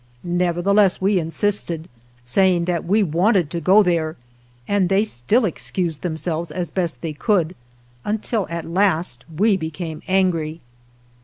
Nevertheless we insisted, saying that we wanted to go there, and they still excused themselves as best they could, until at last we became angry.